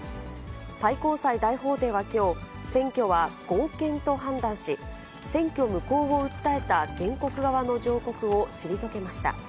最高裁大法廷はきょう、選挙は合憲と判断し、選挙無効を訴えた原告側の上告を退けました。